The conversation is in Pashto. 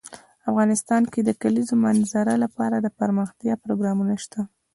افغانستان کې د د کلیزو منظره لپاره دپرمختیا پروګرامونه شته.